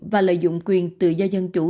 và lợi dụng quyền tự do dân chủ